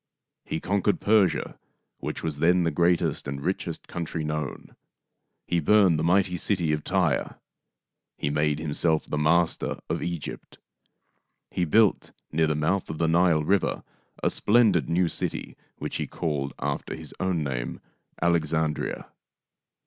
He conquered Persia, which was then the great est and richest country known. He burned the mighty city of Tyre. He made himself the master of Egypt. He built, near the mouth of the Nile River, a splendid new city which he called, after his own name, Alexandria.